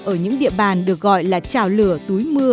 ở những địa bàn được gọi là trào lửa túi mưa